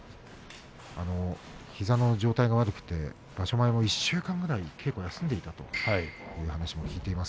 膝の状態が悪くて場所前、１週間稽古を休んでいたという話も聞いています。